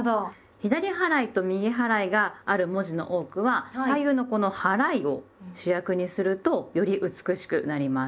左払いと右払いがある文字の多くは左右のこの「はらい」を主役にするとより美しくなります。